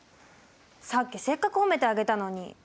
さっきせっかく褒めてあげたのに。